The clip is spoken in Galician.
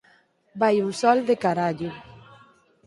Vai un sol de carallo.